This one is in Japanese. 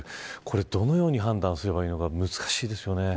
どのように判断すればいいのか難しいですよね。